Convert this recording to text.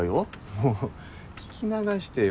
もう聞き流してよ